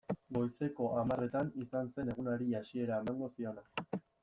Goizeko hamarretan izan zen egunari hasiera emango ziona.